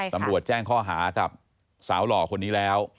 ตำรวจแจ้งข้อหากับสาวหล่อคนนี้แล้ว